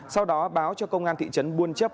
sau đó báo cho công an thị trấn buôn chấp